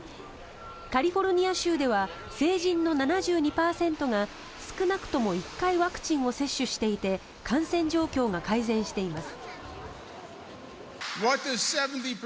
カリフォルニア州では成人の７２％が少なくとも１回ワクチンを接種していて感染状況が改善しています。